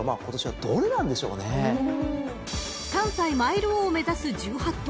［３歳マイル王を目指す１８頭］